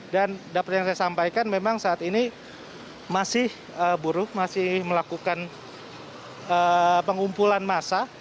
dan dapat yang saya sampaikan memang saat ini masih buruh masih melakukan pengumpulan massa